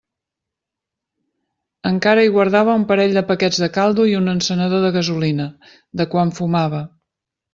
Encara hi guardava un parell de paquets de caldo i un encenedor de gasolina, de quan fumava.